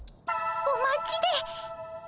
お待ちで。